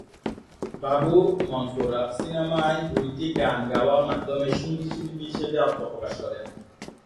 বাবু "মনপুরা" সিনেমায় দুইটি গান গাওয়ার মাধ্যমে সঙ্গীতশিল্পী হিসেবে আত্মপ্রকাশ করেন।